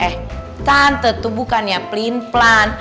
eh tante tuh bukannya pelin pelan